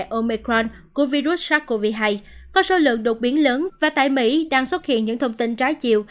các ca nhiễm biến thể omicron của virus sars cov hai có số lượng đột biến lớn và tại mỹ đang xuất hiện những thông tin trái chiều